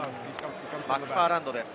マクファーランドです。